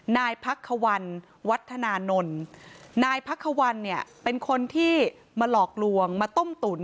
นายพักควันวัฒนานนท์นายพักควันเนี่ยเป็นคนที่มาหลอกลวงมาต้มตุ๋น